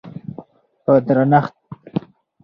په درنښت،